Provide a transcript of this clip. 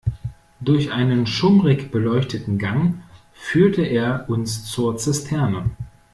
Durch einen schummrig beleuchteten Gang führte er uns zur Zisterne.